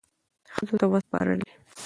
ښځو ته وسپارلې،